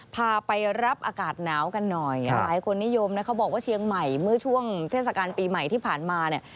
พาไปรับอากาศหนาวกันหน่อยหลายคนนิยมนะเขาบอกว่าเชียงใหม่เมื่อช่วงเทศกาลปีใหม่ที่ผ่านมาเนี่ย